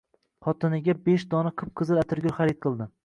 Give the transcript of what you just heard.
Xotiniga besh dona qip-qizil atirgul xarid qildi.